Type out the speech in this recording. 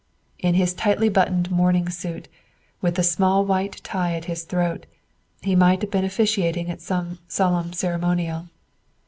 In his tightly buttoned morning suit, with the small white tie at his throat, he might have been officiating at some solemn ceremonial.